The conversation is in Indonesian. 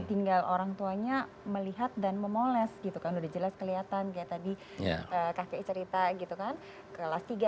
tinggal orang tuanya melihat dan memoles gitu kan udah jelas kelihatan kayak tadi kakek cerita gitu kan kelas tiga